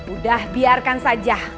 udah biarkan saja